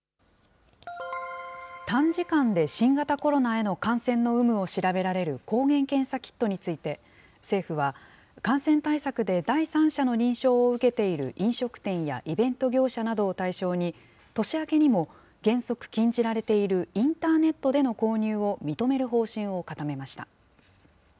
短時間で新型コロナへの感染の有無を調べられる抗原検査キットについて、政府は、感染対策で第三者の認証を受けている飲食店やイベント業者などを対象に、年明けにも原則禁じられているインターネットでの購入を認める方針を固めました。